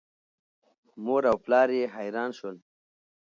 مور او پلار یې حیران شول.